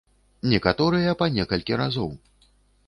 Некаторыя па некалькі разоў.